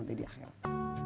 nanti di akhirat